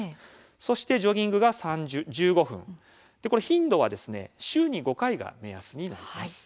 そしてジョギングは１５分頻度は週に５回が目安です。